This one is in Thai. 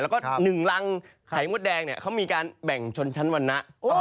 แล้วก็หนึ่งรังไขมดแดงเขามีการแบ่งชนชั้นวันนะ